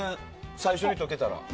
最初に解けたら。